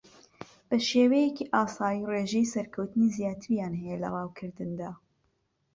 بە شێوەیەکی ئاسایی ڕێژەی سەرکەوتنی زیاتریان ھەیە لە ڕاوکردندا